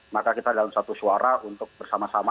maka kita dalam satu suara untuk bersama sama